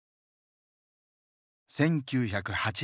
１９８６年。